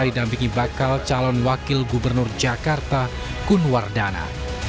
didampingi bakal calon wakil gubernur jakarta kunwardana